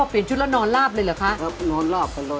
พอเปลี่ยนชุดแล้วนอนลาบเลยเหรอคะ